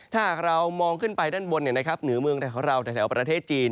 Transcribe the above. ถ้าหากเรามองขึ้นไปด้านบนเหนือเมืองไทยของเราแถวประเทศจีน